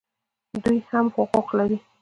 دوی هم حقوق لري